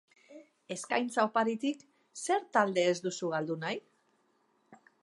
Eskaintza oparotik, zer talde ez duzu galdu nahi?